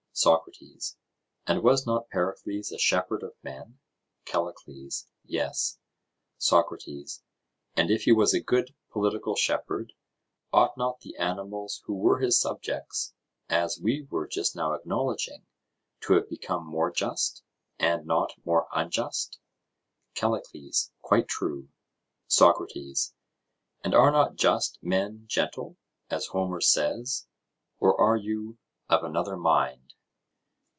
SOCRATES: And was not Pericles a shepherd of men? CALLICLES: Yes. SOCRATES: And if he was a good political shepherd, ought not the animals who were his subjects, as we were just now acknowledging, to have become more just, and not more unjust? CALLICLES: Quite true. SOCRATES: And are not just men gentle, as Homer says?—or are you of another mind?